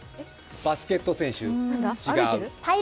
バスケット選手？